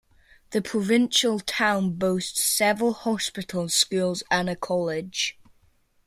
The provincial town boasts several hospitals, schools and a college.